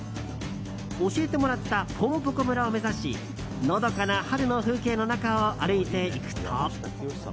教えてもらったぽんぽこ村を目指しのどかな春の風景の中を歩いていくと。